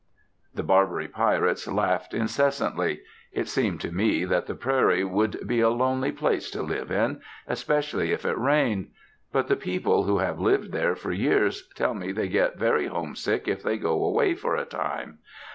The Barbary Pirates laughed incessantly. It seemed to me that the prairie would be a lonely place to live in, especially if it rained. But the people who have lived there for years tell me they get very homesick if they go away for a time.